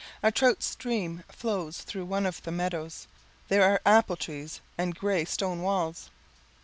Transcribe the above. A trout stream flows through one of the meadows. There are apple trees and gray stone walls.